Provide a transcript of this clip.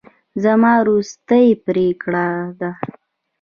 زما وروستۍ پرېکړه ده.